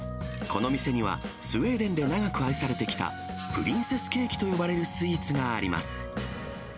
この店には、スウェーデンで長く愛されてきたプリンセスケーキといわれるスイーツがあります。